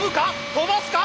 跳ばすか？